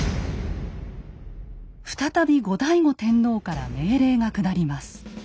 再び後醍醐天皇から命令が下ります。